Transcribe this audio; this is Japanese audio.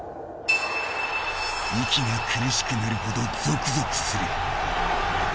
息が苦しくなるほどぞくぞくする。